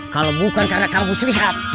kalau bukan karena kang bus lihat